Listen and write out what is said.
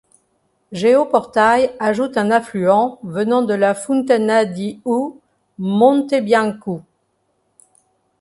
Géoportail ajoute un affluent venant de la Funtana di u Monte Biancu.